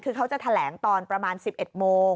คือเขาจะแถลงตอนประมาณ๑๑โมง